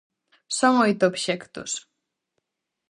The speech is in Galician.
Son oito obxectos.